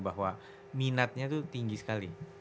bahwa minatnya itu tinggi sekali